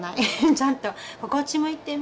ちゃんとこっち向いてみ。